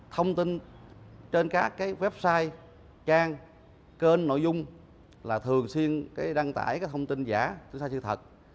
thông tin trên các website trang kênh nội dung là thường xuyên đăng tải thông tin giả tin sai sự thật